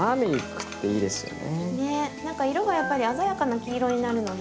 何か色がやっぱり鮮やかな黄色になるので。